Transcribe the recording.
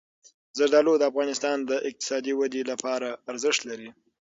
زردالو د افغانستان د اقتصادي ودې لپاره ارزښت لري.